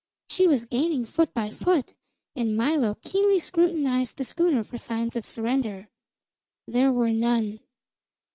She was gaining foot by foot, and Milo keenly scrutinized the schooner for signs of surrender. There were none.